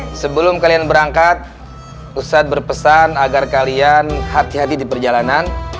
nah sebelum kalian berangkat ustadz berpesan agar kalian hati hati di perjalanan